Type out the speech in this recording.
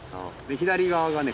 左側がね